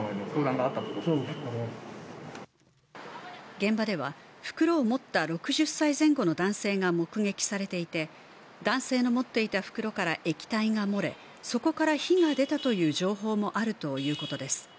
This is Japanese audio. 現場では袋を持った６０歳前後の男性が目撃されていて男性の持っていた袋から液体が漏れ、そこから火が出たという情報もあるということです。